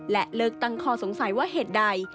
และเลิกตั้งข้อสงสัยว่าเหตุใด